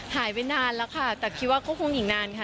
หายไปนานแล้วค่ะแต่คิดว่าก็คงอีกนานค่ะ